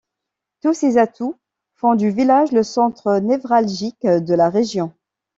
Tous ces atouts font du village le centre névralgique de la région.